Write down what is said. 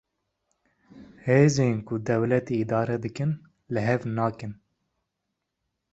Hêzên ku dewletê îdare dikin, li hev nakin